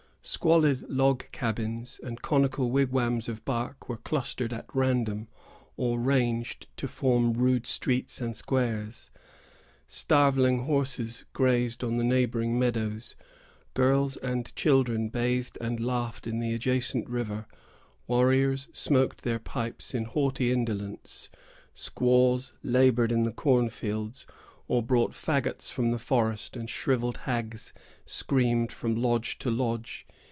Squalid log cabins and conical wigwams of bark were clustered at random, or ranged to form rude streets and squares. Starveling horses grazed on the neighboring meadows; girls and children bathed and laughed in the adjacent river; warriors smoked their pipes in haughty indolence; squaws labored in the cornfields, or brought fagots from the forest, and shrivelled hags screamed from lodge to lodge.